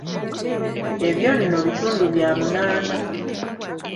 Ebyo nno bitundu bya munaana!